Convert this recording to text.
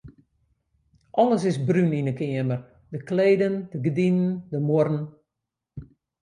Alles is brún yn 'e keamer: de kleden, de gerdinen, de muorren.